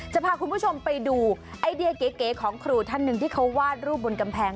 จะพาคุณผู้ชมไปดูไอเดียเก๋ของครูท่านหนึ่งที่เขาวาดรูปบนกำแพง